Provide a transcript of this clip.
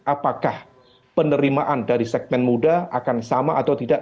apakah penerimaan dari segmen muda akan sama atau tidak